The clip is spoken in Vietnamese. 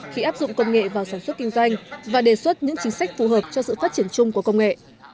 khi áp dụng công nghệ vào sản xuất kinh doanh và đề xuất những chính sách phù hợp cho sự phát triển chung của công nghệ